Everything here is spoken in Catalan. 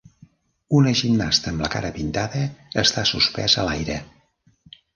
Una gimnasta amb la cara pintada està suspesa a l'aire.